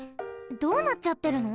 どうなっちゃってるの？